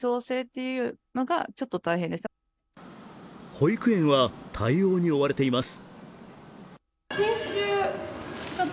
保育園は対応に追われています。